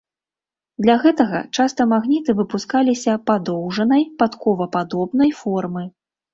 Для гэтага часта магніты выпускаліся падоўжанай, падковападобнай формы.